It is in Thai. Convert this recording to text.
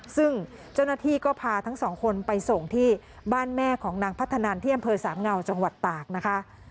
ซึ่งเจ้าหน้าที่ก็พาทั้งสองคนไปส่งที่บ้านแม่ของนางพัฒนันที่อำเภอสามเงาจังหวัดตากนะคะ